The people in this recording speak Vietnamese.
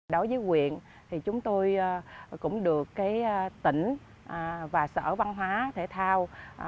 đối với huyện chúng tôi cũng được tỉnh và sở văn hóa thể thao